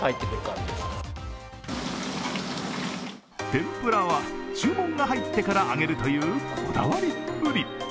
天ぷらは、注文が入ってから揚げるというこだわりっぷり。